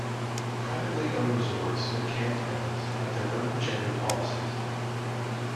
Privately owned resorts and campgrounds have their own gender policies.